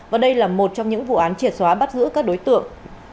và đây là một trong những vụ án triệt xóa bắt giữ các đối tượng